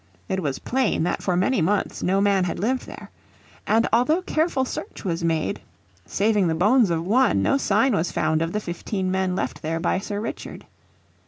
It was plain that for many months no man had lived there. And although careful search was made, saving the bones of one, no sign was found of the fifteen men left there by Sir Richard.